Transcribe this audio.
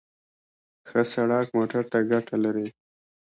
ښه سړک موټر ته ګټه لري.